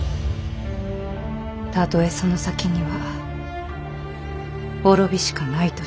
たとえその先には滅びしかないとしても。